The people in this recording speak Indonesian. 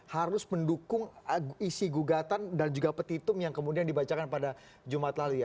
harus mendukung isi gugatan dan juga petitum yang kemudian dibacakan pada jumat lalu